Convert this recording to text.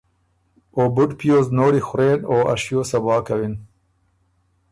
او بُډ پیوز نوړی خورېن او ا شیو صبا کوِن۔